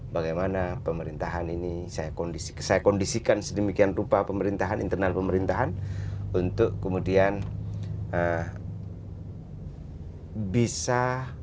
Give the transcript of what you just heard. bagaimana pemerintahan ini saya kondisikan sedemikian rupa pemerintahan internal pemerintahan untuk kemudian bisa